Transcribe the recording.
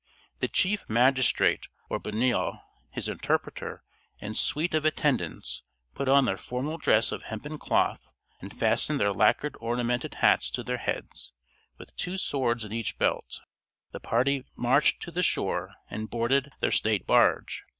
The chief magistrate, or buni[=o], his interpreter, and suite of attendants, put on their formal dress of hempen cloth, and fastened their lacquered ornamented hats to their heads; with two swords in each belt, the party marched to the shore and boarded their state barge.